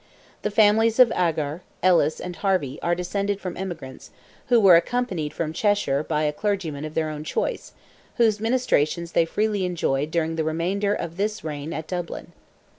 The families of Agar, Ellis, and Harvey, are descended from emigrants, who were accompanied from Cheshire by a clergyman of their own choice, whose ministrations they freely enjoyed during the remainder of this reign at Dublin.